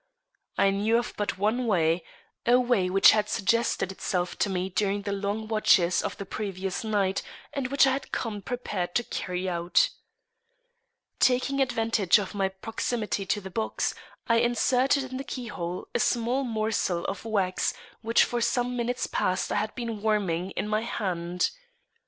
I knew of but one way a way which had suggested itself to me during the long watches of the previous night, and which I had come prepared to carry out. Taking advantage of my proximity to the box, I inserted in the keyhole a small morsel of wax which for some minutes past I had been warming in my hand.